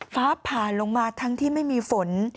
ฟ้าผ่าลงมาทั้งที่ไม่มีฝน